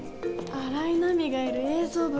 新井波がいる映像部か。